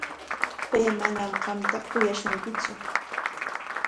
Pay manam qamta kuyashunkitsu.